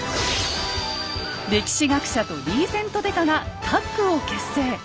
歴史学者とリーゼント刑事がタッグを結成。